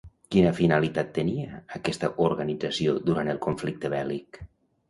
Quina finalitat tenia aquesta organització durant el conflicte bèl·lic?